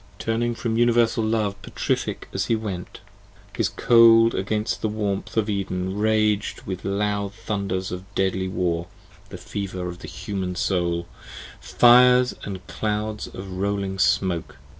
Turning from Universal Love petrific as he went, His cold against the warmth of Eden rag'd with loud Thunders of deadly war (the fever of the human soul) 10 Fires and clouds of rolling smoke!